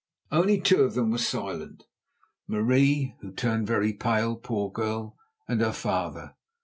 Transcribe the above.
Only two of them were silent, Marie, who turned very pale, poor girl, and her father.